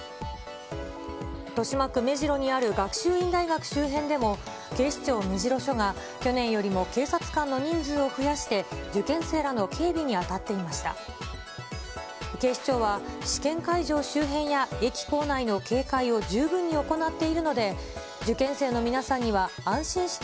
豊島区目白にある学習院大学周辺でも、警視庁目白署が、去年よりも警察官の人数を増やして、受験生らの警備に当たっていました。